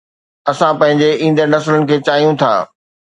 اسان پنهنجي ايندڙ نسلن کي چاهيون ٿا